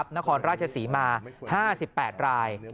นครราชศรีมา๕๘ราย